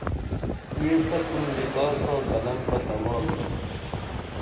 یہ سپُن لکال ساں قلم تہ کمال درو